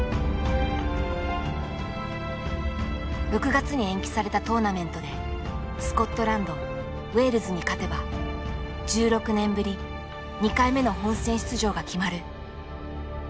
６月に延期されたトーナメントでスコットランドウェールズに勝てば１６年ぶり２回目の本戦出場が決まる。